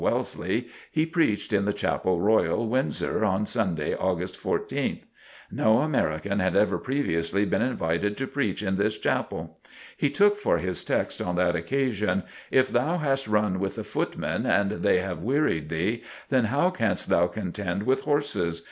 Wellesley, he preached in the Chapel Royal, Windsor, on Sunday, August 14th. No American had ever previously been invited to preach in this chapel. He took for his text on that occasion: "If thou hast run with the footmen and they have wearied thee, then how canst thou contend with horses?